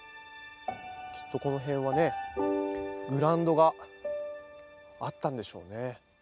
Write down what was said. きっとこの辺はね、グラウンドがあったんでしょうね。